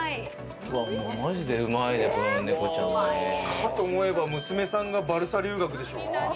かと思えば、娘さんがバルサ留学でしょ。